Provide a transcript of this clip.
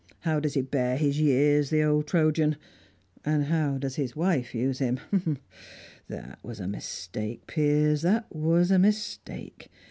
How does he bear his years, the old Trojan? And how does his wife use him? Ah, that was a mistake, Piers; that was a mistake.